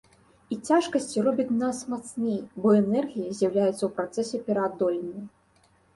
І цяжкасці робяць нас мацней, бо энергія з'яўляецца ў працэсе пераадолення.